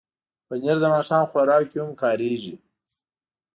پنېر د ماښام خوراک کې هم کارېږي.